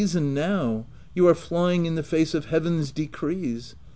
43 son now : you are flying in the face of heaven's decrees.